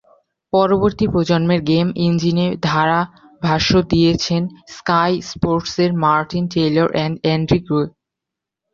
পরবর্তী প্রজন্মের গেম ইঞ্জিনে ধারাভাষ্য দিয়েছেন স্কাই স্পোর্টসের মার্টিন টেইলর এবং অ্যান্ডি গ্রে।